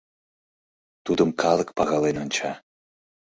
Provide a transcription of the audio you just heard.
Тудым калык пагален онча.